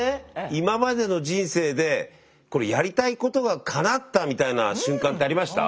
今までの人生でやりたいことが叶ったみたいな瞬間ってありました？